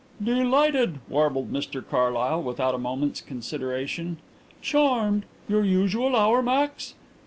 "Delighted," warbled Mr Carlyle, without a moment's consideration. "Charmed. Your usual hour, Max?"